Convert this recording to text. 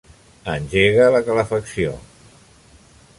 Engega la calefacció.